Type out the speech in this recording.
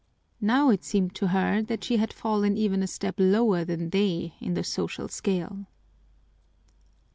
Now it seemed to her that she had fallen even a step lower than they in the social scale.